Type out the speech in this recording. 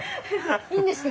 いいんですか？